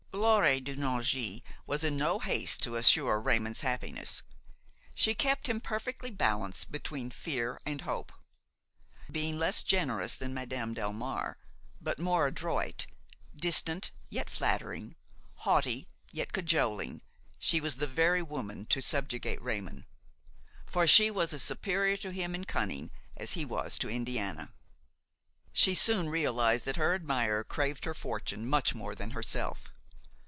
Laure de Nangy was in no haste to assure Raymon's happiness; she kept him perfectly balanced between fear and hope. Being less generous than Madame Delmare, but more adroit, distant yet flattering, haughty yet cajoling, she was the very woman to subjugate Raymon; for she was as superior to him in cunning as he was to Indiana. She soon realized that her admirer craved her fortune much more than herself.